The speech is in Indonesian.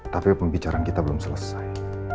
tapi pembicaraan kita belum selesai